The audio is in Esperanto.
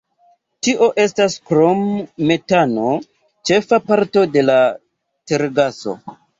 Tio estas krom metano ĉefa parto de la tergaso.